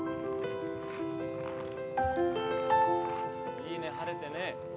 いいね晴れてね。